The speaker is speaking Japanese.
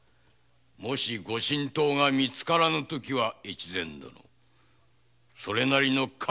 もし御神刀がみつからぬときは大岡殿それなりの覚悟がござろうな。